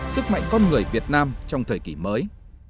sức mạnh con người việt nam trong thời kỳ mới